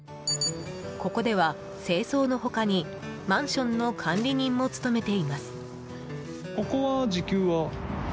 ここでは清掃の他にマンションの管理人も務めています。